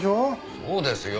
そうですよ。